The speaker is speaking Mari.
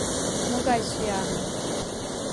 Могай сӱаным?